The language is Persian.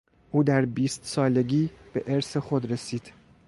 او در بیست سالگی به ارث خود رسید.